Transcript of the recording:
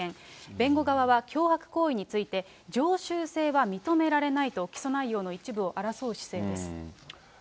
弁護側は脅迫行為について常習性は認められないと、起訴内容の一部を争う姿勢です。